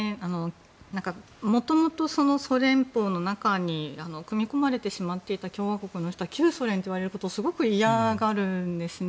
もともとソ連邦の中に組み込まれてしまっていた共和国の人は旧ソ連といわれることをすごく嫌がるんですね。